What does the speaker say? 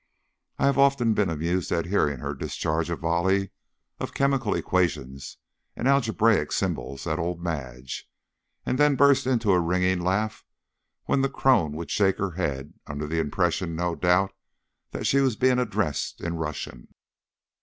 I have often been amused at hearing her discharge a volley of chemical equations and algebraic symbols at old Madge, and then burst into a ringing laugh when the crone would shake her head, under the impression, no doubt, that she was being addressed in Russian.